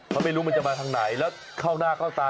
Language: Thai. เขาไม่รู้มันจะมาทางไหนแล้วเข้าหน้าเข้าตา